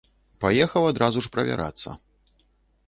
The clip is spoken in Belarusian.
Паехаў адразу ж правярацца.